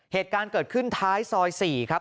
เหตุการณ์เกิดขึ้นท้ายซอย๔ครับ